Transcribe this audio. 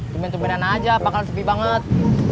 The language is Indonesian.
tumpen tumpen aja pangkalan sepi banget